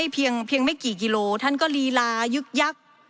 เพียงไม่กี่กิโลท่านก็ลีลายึกยักษ์